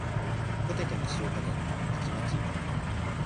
ポテトの塩加減がまちまち